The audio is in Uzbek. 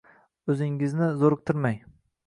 Oʻzingizni zoʻriqtirmang